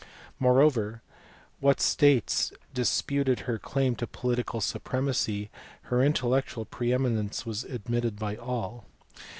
Moreover whatever states disputed her claim to political supremacy her intellectual pre eminence was admitted by all.